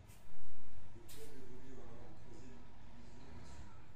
Le club évolue alors en troisième division nationale.